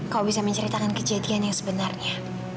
kau bisa menceritakan kejadian yang sebenarnya